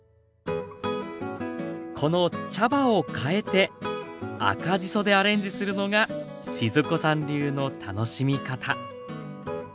この茶葉を変えて赤じそでアレンジするのが静子さん流の楽しみ方。